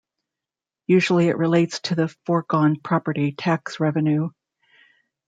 Usually it relates to the foregone property tax revenue.